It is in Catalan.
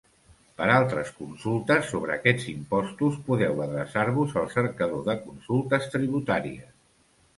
Per altres consultes sobre aquests impostos podeu adreçar-vos al Cercador de consultes tributàries.